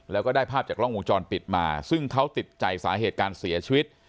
แล้วก็ได้ภาพจากกล้องวงจรปิดมาซึ่งเขาติดใจสาเหตุการเสียชีวิต